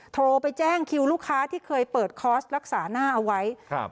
โทรไปแจ้งคิวลูกค้าที่เคยเปิดคอร์สรักษาหน้าเอาไว้ครับ